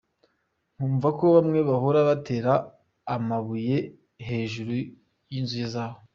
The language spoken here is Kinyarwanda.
Nkumva ngo bamwe bahora batera amabuye hejuru y’inzu zabo.